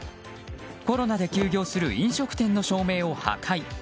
コロナで休業する飲食店の照明を破壊。